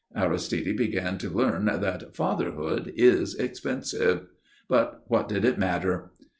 Aristide began to learn that fatherhood is expensive. But what did it matter?